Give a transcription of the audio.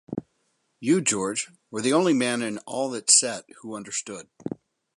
You, George, were the only man in all that set who understood.